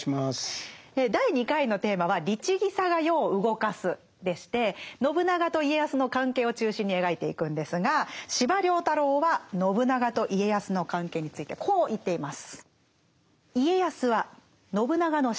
第２回のテーマは信長と家康の関係を中心に描いていくんですが司馬太郎は信長と家康の関係についてこう言っています。